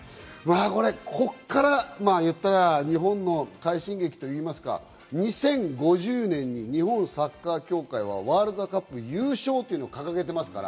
ここから日本の快進撃といいますか、２０５０年に日本サッカー協会はワールドカップ優勝というのを掲げてますから。